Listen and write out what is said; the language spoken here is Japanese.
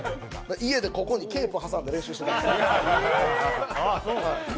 家でここにケープ挟んで練習してました。